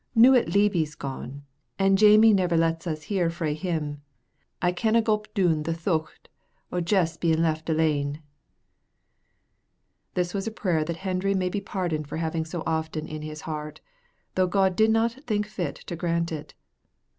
Noo 'at Leeby's gone, an' Jamie never lets us hear frae him, I canna gulp doon the thocht o' Jess bein' left alane." This was a prayer that Hendry may be pardoned for having so often in his heart, though God did not think fit to grant it.